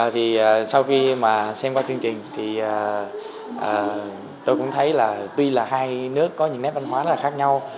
thì sau khi mà xem qua chương trình thì tôi cũng thấy là tuy là hai nước có những nét văn hóa rất là khác nhau